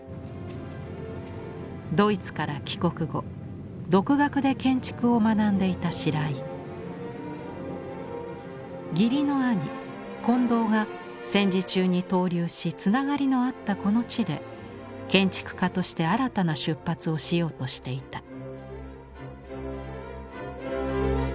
ドイツから帰国後独学で建築を学んでいた白井義理の兄近藤が戦時中にとう留しつながりのあったこの地で建築家として新たな出発をしようとしていた。